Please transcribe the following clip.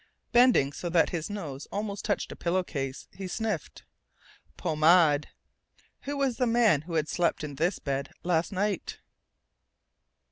Bending so that his nose almost touched a pillow case he sniffed. Pomade!... Who was the man who had slept in this bed last night?